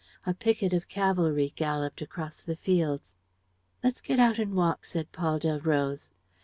A picket of cavalry galloped across the fields. "Let's get out and walk," said Paul Delroze.